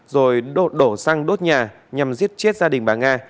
rồi đổ xăng đốt nhà nhằm giết chết gia đình bà nga